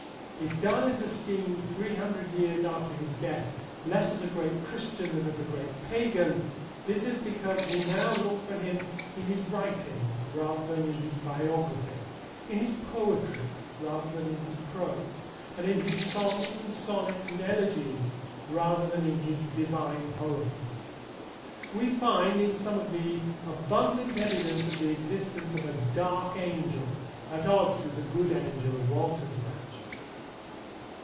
If Donne is esteemed three hundred years after his death less as a great Christian than as a great pagan, this is because we now look for him in his writings rather than in his biography, in his poetry rather than in his prose, and in his Songs and Sonnets and Elegies rather than in his Divine Poems. We find, in some of these, abundant evidence of the existence of a dark angel at odds with the good angel of Walton's raptures.